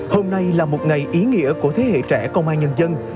hôm nay là một ngày ý nghĩa của thế hệ trẻ công an nhân dân